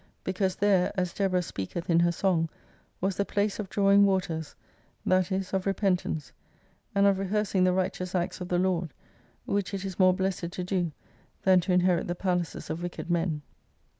Because there, as Deborah speaketh in her song, was the place of drawing waters, that is of repentance ; and of rehearsing the righteous acts of the Lord, which it is more blessed to do than to inherit the palaces of wicked men.